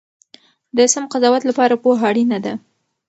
د سم قضاوت لپاره پوهه اړینه ده.